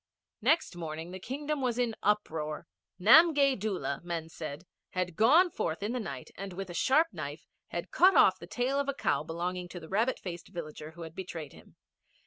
Next morning the Kingdom was in uproar. Namgay Doola, men said, had gone forth in the night and with a sharp knife had cut off the tail of a cow belonging to the rabbit faced villager who had betrayed him.